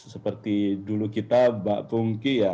seperti dulu kita mbak pungki ya